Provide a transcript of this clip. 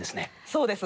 そうです。